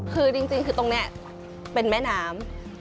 คือจริงคือตรงนี้เป็นแม่น้ำ